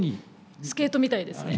スケートみたいですね。